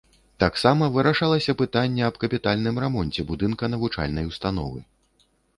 Таксама вырашалася пытанне аб капітальным рамонце будынка навучальнай установы.